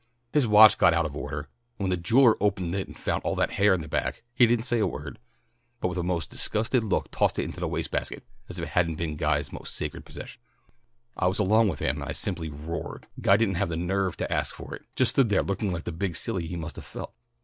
His watch got out of order, and when the jeweller opened it and found all that hair in the back, he didn't say a word, but with a most disgusted look tossed it into the wastebasket as if it hadn't been Guy's most sacred possession. I was along with him, and I simply roared. Guy didn't have the nerve to ask for it, just stood there looking like the big silly he must have felt."